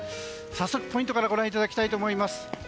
早速、ポイントからご覧いただきたいと思います。